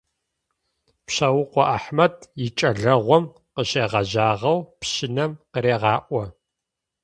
Пщаукъо Ахьмэд икӏэлэгъум къыщегъэжьагъэу пщынэм къырегъаӏо.